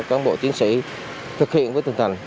các bộ chiến sĩ thực hiện với tinh thần